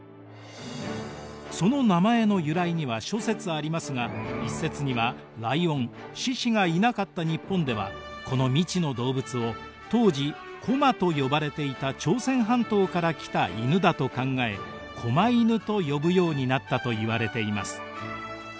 その名前の由来には諸説ありますが一説にはライオン獅子がいなかった日本ではこの未知の動物を当時高麗と呼ばれていた朝鮮半島から来た犬だと考え狛犬と呼ぶようになったといわれています。